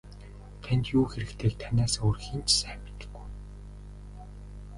Танд юу хэрэгтэйг танаас өөр хэн ч сайн мэдэхгүй.